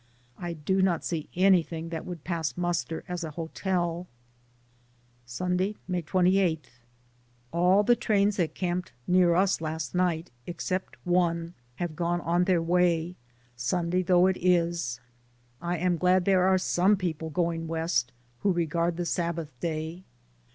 I do not see anything that would pass muster as a hotel. Sunday, May 28. All the trains that camped near us last night, except one, have gone on their way, DAYS ON THE ROAD. 69 Sunday though it is. I am glad there are some people going West who regard the Sabbath day.